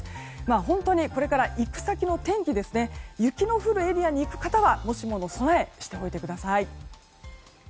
本当にこれから、行く先の天気雪の降るエリアに行く方はもしもの備えをしておいてください。